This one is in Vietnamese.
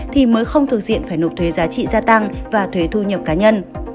thì mới không thuộc diện phải nộp thuế giá trị gia tăng và thuế thu nhập cá nhân